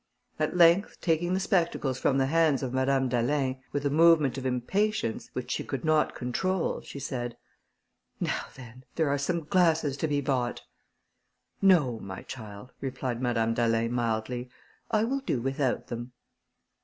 At length, taking the spectacles from the hands of Madame d'Alin, with a movement of impatience, which she could not control, she said, "Now, then, there are some glasses to be bought!" "No, my child," replied Madame d'Alin, mildly, "I will do without them."